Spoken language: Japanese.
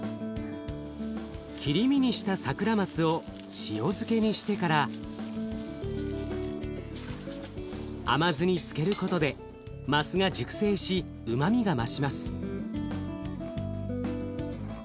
切り身にしたサクラマスを塩漬けにしてから甘酢に漬けることでマスが熟成しうまみが増します。